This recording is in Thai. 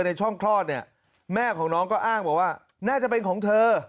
ในช่องคลอดเนี่ยแม่ของน้องก็อ้างบอกว่าน่าจะเป็นของเธอ